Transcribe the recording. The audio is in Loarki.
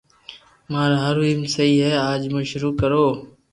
مارو ھارو ايم سھي ھي اج مون ݾروع ڪرو